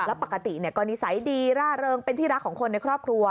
แล้วปกติก็นิสัยดีร่าเริงเป็นที่รักของคนในครอบครัว